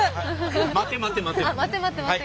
「待て待て待て」。